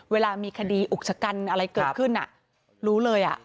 เวลามีคดีอุกชะกันอะไรเกิดขึ้นรู้เลย